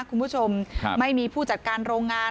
คุณผู้ชมไม่มีผู้จัดการโรงงาน